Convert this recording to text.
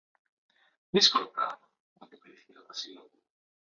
Δύσκολο πράμα, αποκρίθηκε το Βασιλόπουλο.